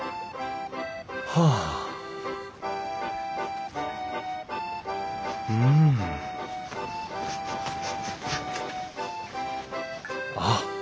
はあうんあっ